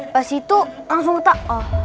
pas itu langsung utak